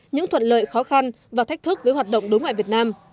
những thuận lợi khó khăn và thách thức với hoạt động đối ngoại việt nam